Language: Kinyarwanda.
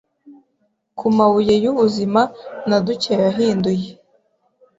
ku mabuye yubuzima na ducye yahinduye